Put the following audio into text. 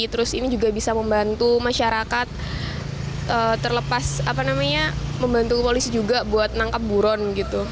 terus ini juga bisa membantu masyarakat terlepas apa namanya membantu polisi juga buat nangkep buron gitu